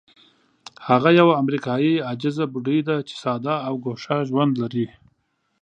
هغه یوه امریکایي عاجزه بوډۍ ده چې ساده او ګوښه ژوند لري.